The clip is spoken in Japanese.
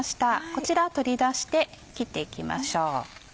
こちら取り出して切っていきましょう。